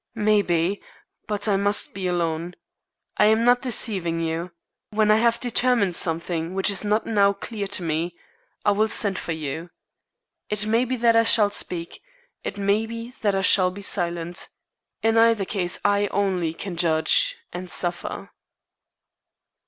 "Maybe. But I must be alone. I am not deceiving you. When I have determined something which is not now clear to me, I will send for you. It may be that I shall speak. It may be that I shall be silent. In either case I only can judge and suffer."